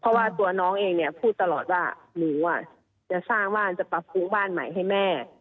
เพราะว่าตัวน้องเองเนี่ยพูดตลอดว่าหนูจะสร้างบ้านจะปรับปรุงบ้านใหม่ให้แม่